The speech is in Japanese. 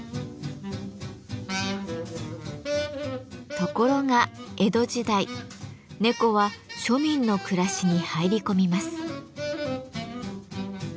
ところが江戸時代猫は庶民の暮らしに入り込みます。